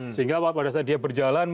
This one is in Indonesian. sehingga pada saat dia berjalan